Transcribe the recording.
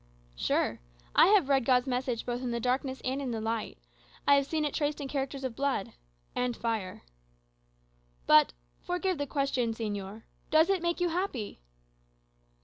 "Sure. I have read God's message both in the darkness and in the light I have seen it traced in characters of blood and fire." "But forgive the question, señor does it make you happy?"